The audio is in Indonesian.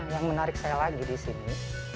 yang menarik saya lagi di sini